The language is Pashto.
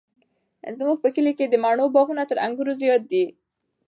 زموږ په کلي کې د مڼو باغونه تر انګورو زیات دي.